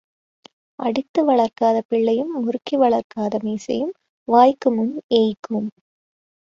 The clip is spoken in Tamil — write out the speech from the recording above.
அடித்து வளர்க்காத பிள்ளையும் முறுக்கி வளர்க்காத மீசையும் வாய்க்கு முன் ஏய்க்கும்.